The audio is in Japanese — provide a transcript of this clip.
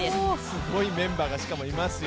すごいメンバーがいますよ。